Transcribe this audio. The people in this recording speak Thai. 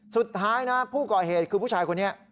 สุดท้ายนะผู้ก่อเหตุคือผู้ชายคนนี้